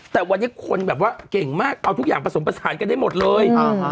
แต่วันนี้คนแบบว่าเก่งมากเอาทุกอย่างผสมผสานกันได้หมดเลย